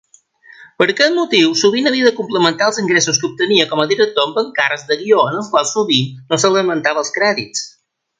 Per aquest motiu, sovint havia de complementar els ingressos que obtenia com a director amb encàrrecs de guió, en els quals sovint no se l'esmentava als crèdits.